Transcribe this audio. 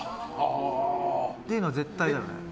というのは絶対だよね。